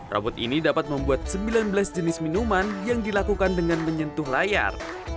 rambut ini dapat membuat sembilan belas jenis minuman yang dilakukan dengan menyentuh layar